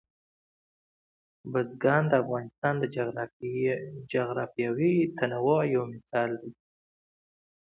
بزګان د افغانستان د جغرافیوي تنوع یو مثال دی.